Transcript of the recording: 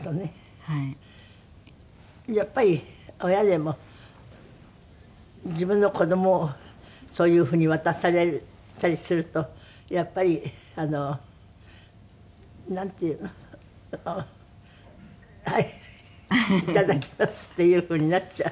やっぱり親でも自分の子供をそういうふうに渡されたりするとやっぱりなんていうの頂きますっていうふうになっちゃう？